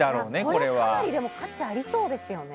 これはかなり価値ありそうですよね。